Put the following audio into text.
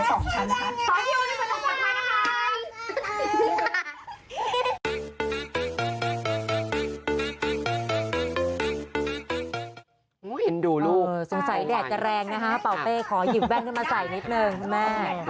เห็นดูลูกสงสัยแดดจะแรงนะฮะเป่าเป้ขอหยิบแว่นขึ้นมาใส่นิดนึงคุณแม่